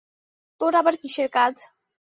তোর আবার কীসের কাজ?